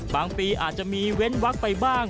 ปีอาจจะมีเว้นวักไปบ้าง